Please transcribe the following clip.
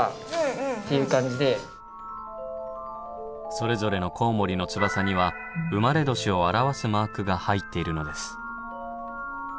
それぞれのコウモリの翼には生まれ年を表すマークが入っているのです。